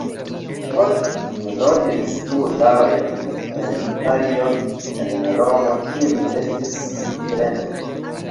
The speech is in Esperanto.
Poste mi loĝis du jarojn en Italio, en Romo, kie mi estis studento.